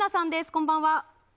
こんばんは。